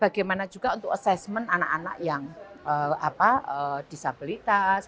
bagaimana juga untuk assessment anak anak yang disabilitas